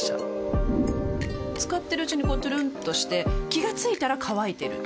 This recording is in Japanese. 使ってるうちにこうトゥルンとして気が付いたら乾いてる